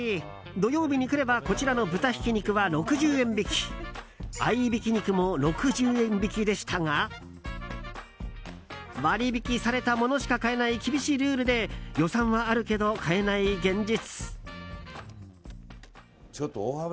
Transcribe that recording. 土曜日に来ればこちらの豚ひき肉は６０円引き合いびき肉も６０円引きでしたが割引されたものしか買えない厳しいルールで予算はあるけど買えない現実。